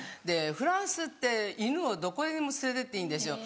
フランスって犬をどこへでも連れてっていいんですよ。